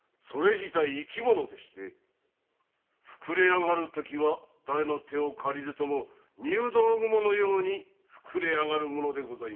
生きものでしてふくれあがるときはだれの手を借りずとも入道雲のようにふくれあがるものでございます。